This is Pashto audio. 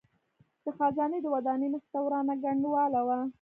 د خزانې د ودانۍ مخې ته ورانه کنډواله وه.